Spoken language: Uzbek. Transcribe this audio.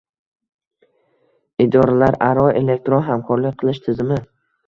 Idoralararo elektron hamkorlik qilish tizimi